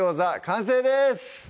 完成です